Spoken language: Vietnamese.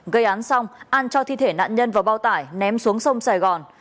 gây án xong an cho thi thể nạn nhân vào bao tải ném xuống sông sài gòn